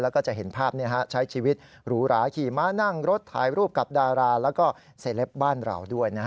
แล้วก็จะเห็นภาพใช้ชีวิตหรูหราขี่ม้านั่งรถถ่ายรูปกับดาราแล้วก็เซเลปบ้านเราด้วย